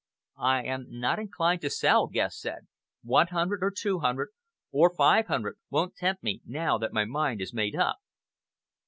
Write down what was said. "I am not inclined to sell," Guest said. "One hundred, or two hundred, or five hundred won't tempt me now that my mind is made up."